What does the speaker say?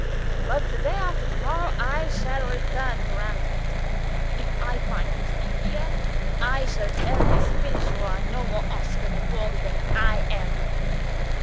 But the day after to morrow, I shall return to Ramsgate. If I find you still here, I shall tell Miss Finch you are no more Oscar Dubourg than I am.